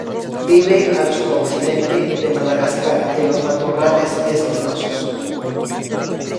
Vive al suroccidente de Madagascar, en los matorrales espinosos.